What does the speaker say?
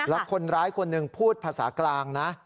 แล้วคนร้ายคนหนึ่งพูดภาษากลางนะ